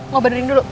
mau banderin dulu